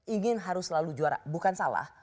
ingin harus selalu juara bukan salah